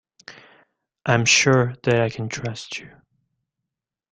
I am sure that I can trust you.